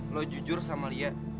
lo jujur sama lia